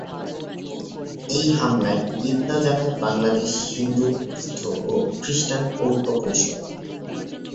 এই হামলায় নিন্দা জানায় বাংলাদেশ হিন্দু, বৌদ্ধ ও খ্রিষ্টান ঐক্য পরিষদ।